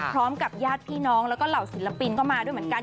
พร้อมกับญาติพี่น้องแล้วก็เหล่าศิลปินก็มาด้วยเหมือนกัน